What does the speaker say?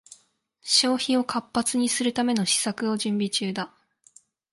消費を活発にするための施策を準備中だ